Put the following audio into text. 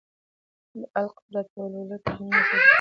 د علق سورت په ولوله کلمې سره پیل کېږي.